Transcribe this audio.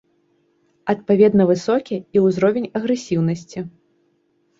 Адпаведна, высокі і ўзровень агрэсіўнасці.